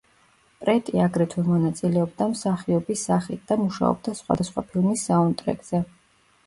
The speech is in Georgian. პრეტი აგრეთვე მონაწილეობდა მსახიობის სახით და მუშაობდა სხვადასხვა ფილმის საუნდტრეკზე.